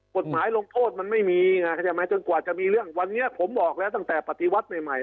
กฎหมายลงโทษมันไม่มีไงเข้าใจไหมจนกว่าจะมีเรื่องวันนี้ผมบอกแล้วตั้งแต่ปฏิวัติใหม่